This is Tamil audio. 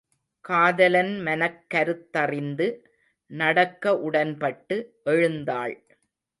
காதலன் மனக் கருத்தறிந்து நடக்க உடன்பட்டு எழுந்தாள்.